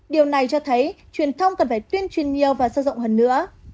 điều này cho thấy truyền thông cần phải tuyên truyền nhiều và sâu rộng hơn nữa